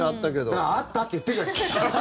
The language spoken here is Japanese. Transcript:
だから、あったって言ってるじゃないですか！